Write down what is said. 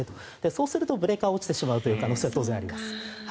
そうするとブレーカーが落ちてしまう可能性もあります。